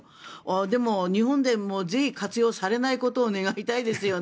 でも、日本でもぜひ活用されないことを願いたいですよね。